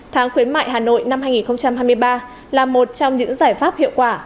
tháng khuyến mại hà nội năm hai nghìn hai mươi ba là một trong những giải pháp hiệu quả